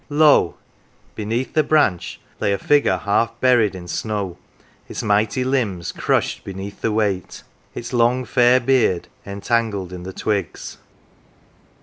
Lo ! beneath the branch lay a figure half H.'i NANCY buried in snow, its mighty limbs crushed beneath the weight, its long fair beard entangled in the twigs.